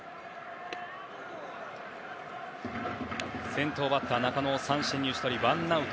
先頭バッター中野を三振に打ち取りワンアウト。